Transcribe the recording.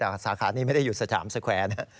แต่สาขานี้ไม่ได้อยู่สถามสแควร์นะ